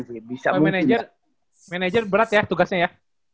bisa manajer manajer berat ya tugasnya ya